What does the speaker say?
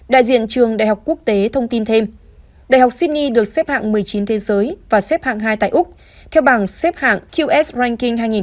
đại diện trường đại học quốc tế thông tin thêm đại học sydney được xếp hạng một mươi chín thế giới và xếp hạng hai tại úc theo bảng xếp hạng qs banking hai nghìn hai mươi